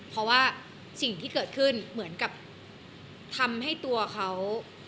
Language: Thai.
เพราะว่าสิ่งที่เกิดขึ้นเหมือนกับทำให้ตัวเขา